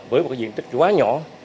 với một diện tích quá nhỏ